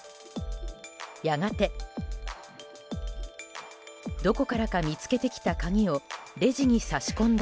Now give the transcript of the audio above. やがてどこからか見つけてきた鍵をレジに差し込んだ